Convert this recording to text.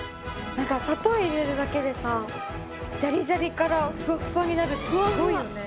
なんか砂糖入れるだけでさジャリジャリからふわっふわになるってすごいよね！